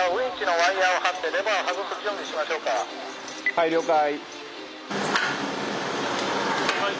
はい了解。